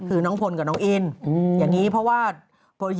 อืมอืมอืมอืมอืมอืม